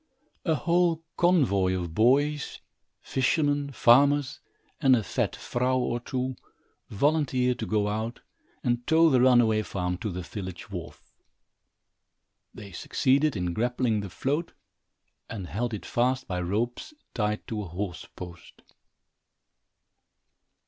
A whole convoy of boys, fishermen, farmers, and a fat vrouw or two, volunteered to go out and tow the runaway farm to the village wharf. They succeeded in grappling the float and held it fast by ropes tied to a horse post.